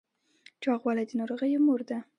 چاغوالی د ناروغیو مور ده